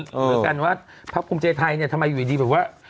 เหมือนกันว่าพักภูมิใจไทยเนี่ยทำไมอยู่ดีแบบว่า